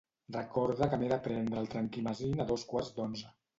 Recorda que m'he de prendre el Trankimazin a dos quarts d'onze.